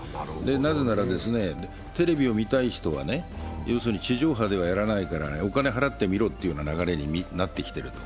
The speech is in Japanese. なぜなら、テレビを見たい人は地上波ではやらないからお金を払って見ろというような流れになってきてる。